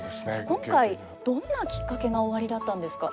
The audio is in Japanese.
今回どんなきっかけがおありだったんですか？